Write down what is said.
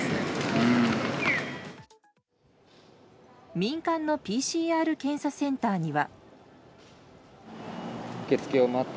民間のＰＣＲ検査センターには。